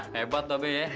hebat tobe ya